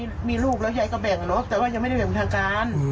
ยายมีลูกแล้วยายก็แบ่งแต่ว่ายังไม่ได้แบ่งทางการ